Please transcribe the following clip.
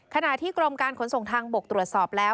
ขณะที่กรมการขนส่งทางบกตรวจสอบแล้ว